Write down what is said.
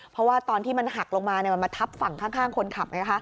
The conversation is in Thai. เพราะว่าตอนที่มันหักลงมามันมาทับฝั่งข้างคนขับไงคะ